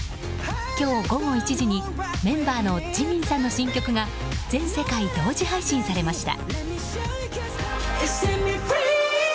今日午後１時に、メンバーのＪＩＭＩＮさんの新曲が全世界同時配信されました。